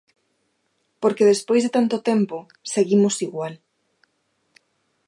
Porque despois de tanto tempo seguimos igual.